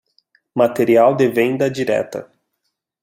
Material de venda direta